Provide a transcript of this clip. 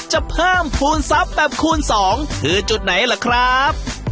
จะเพิ่มภูมิทรัพย์แบบคูณ๒คือจุดไหนล่ะครับ